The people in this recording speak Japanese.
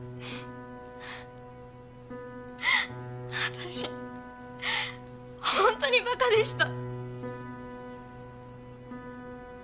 私本当にバカでした。